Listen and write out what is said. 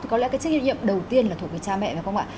có lẽ cái trách nhiệm đầu tiên là thuộc về cha mẹ phải không ạ